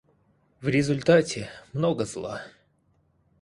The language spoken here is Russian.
В результате много зла.